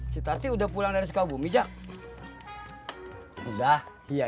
sampai jumpa di video selanjutnya